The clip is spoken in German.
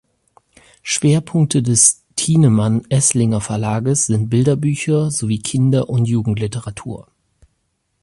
Schwerpunkte des Thienemann-Esslinger Verlages sind Bilderbücher sowie Kinder- und Jugendliteratur.